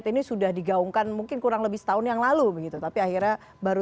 ini sudah digaungkan mungkin kurang lebih setahun yang lalu begitu tapi akhirnya baru